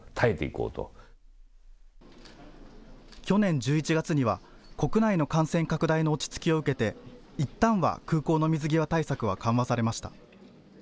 去年１１月には国内の感染拡大の落ち着きを受けて、いったんは空港の水際対策は緩和されました。